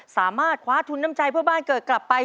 สามารถคว้าทุนน้ำใจเพื่อบ้านเกิดกลับไป